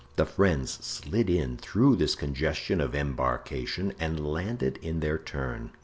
The friends slid in through this congestion of embarkation and landed in their turn.